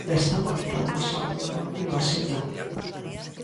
Desta volta, a sorte non acudiu á cita.